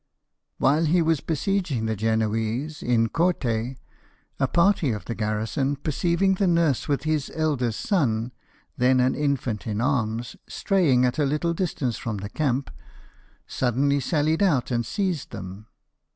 While he was besieging the Genoese in Corte, a party of the garrison, perceiving the nurse with his eldest son, then an infant in arms, straying at a little distance from the camp, suddenly 62 LIFE OF NELSON. sallied out and seized them.